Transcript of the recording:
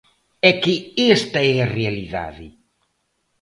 É que esta é a realidade.